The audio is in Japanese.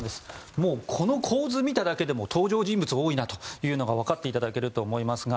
もう、この構図を見ただけでも登場人物が多いなと分かっていただけると思います。